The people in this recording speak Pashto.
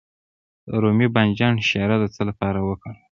د رومي بانجان شیره د څه لپاره وکاروم؟